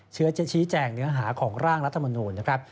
เชื้อจะชี้แจงเนื้อหาของร่างรัฐมนูลนะครับ